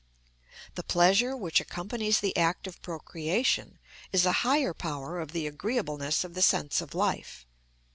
The pleasure which accompanies the act of procreation is a higher power of the agreeableness of the sense of life.